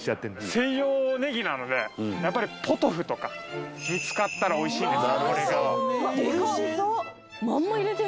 西洋ねぎなのでやっぱりポトフとかに使ったらおいしいんですなる